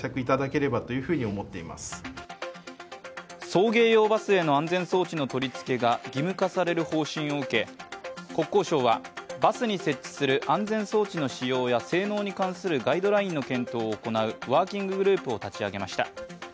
送迎用バスへの安全装置の取りつけが義務化される方針を受け国交省は、バスに設置する安全装置の仕様や性能に関するガイドラインの検討を行うワーキンググループを立ち上げました。